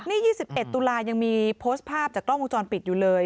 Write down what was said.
นี่๒๑ตุลายังมีโพสต์ภาพจากกล้องวงจรปิดอยู่เลย